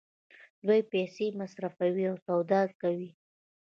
دوی پیسې مصرفوي او سودا کوي.